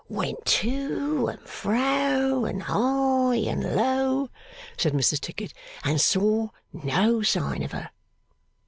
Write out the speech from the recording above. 'Went to and fro, and high and low,' said Mrs Tickit, 'and saw no sign of her!